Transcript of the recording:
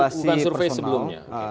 oh bukan survei sebelumnya